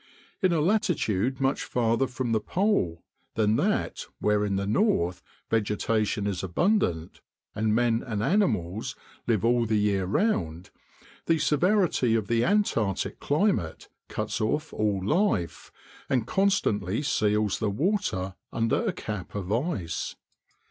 In a latitude much farther from the pole than that where in the north vegetation is abundant, and men and animals live all the year round, the severity of the Antarctic climate cuts off all life, and constantly seals the water under a cap of ice.